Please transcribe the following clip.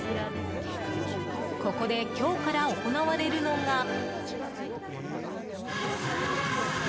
ここで今日から行われるのが。